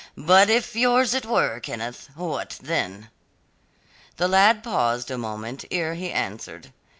But if yours it were, Kenneth, what then?" The lad paused a moment ere he answered.